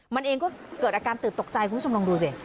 มันเองก็เกิดอาการตื่นตกใจคุณผู้ชมลองดูสิ